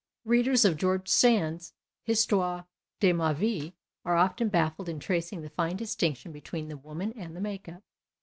Readers of George Sand's " Histoire de ma Vie " are often baflled in tracing the fine distinction between the woman and the make up.